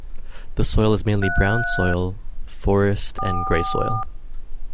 The soil is mainly brown soil forest and gray soil.